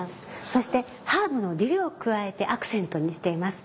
そしてハーブのディルを加えてアクセントにしています。